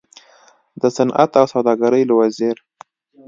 د صنعت او سوداګرۍ له وزیر